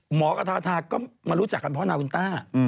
หมอกับทาทาก็มารู้จักกันพ่อนาวินต้า